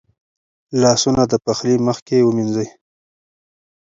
لاسونه د پخلي مخکې ومینځئ.